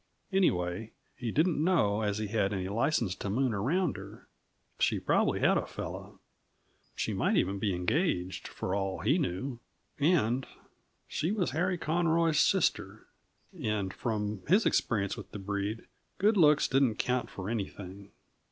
Anyway, he didn't know as he had any license to moon around her. She probably had a fellow; she might even be engaged, for all he knew. And she was Harry Conroy's sister; and from his experience with the breed, good looks didn't count for anything.